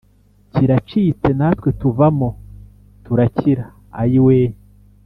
Kiracitse natwe tuvamo turakira ayiwe